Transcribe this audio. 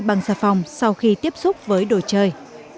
bằng xà phòng sau khi tiếp xúc với đồ chơi